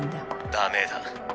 ダメだ。